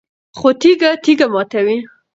خو تیږه تیږه ماتوي